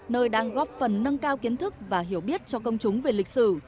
nơi đang góp phần nâng cao kiến thức và hiểu biết cho công chúng về lịch sử